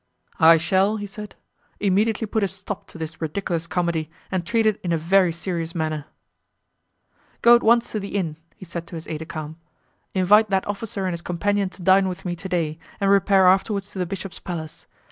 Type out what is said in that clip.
"I shall," he said, "immediately put a stop to this ridiculous comedy, and treat it in a very serious manner." "Go at once to the inn," he said to his aide de camp, "invite that officer and his companion to dine with me to day, and repair afterwards to the bishop's palace.